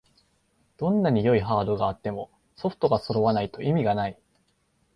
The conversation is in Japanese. どんなに良いハードがあってもソフトがそろわないと意味がない